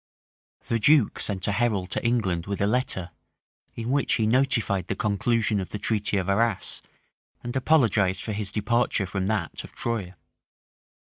The duke sent a herald to England with a letter, in which he notified the conclusion of the treaty of Arras, and apologized for his departure from that of Troye.